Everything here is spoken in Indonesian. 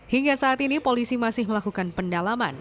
hingga saat ini polisi masih melakukan pendalaman